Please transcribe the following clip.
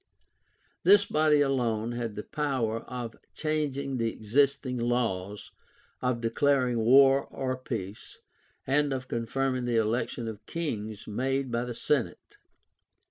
This body alone had the power of changing the existing laws; of declaring war or peace; and of confirming the election of kings made by the senate.